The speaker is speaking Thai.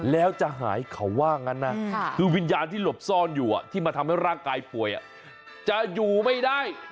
แล้วจะหายเขาว่างั้นนะคือวิญญาณที่หลบซ่อนอยู่ที่มาทำให้ร่างกายป่วยจะอยู่ไม่ได้